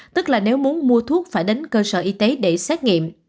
tức là nếu muốn mua thuốc phải đến cơ sở y tế để xét nghiệm